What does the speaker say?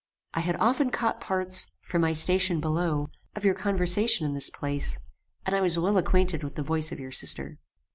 I had often caught parts, from my station below, of your conversation in this place, and was well acquainted with the voice of your sister.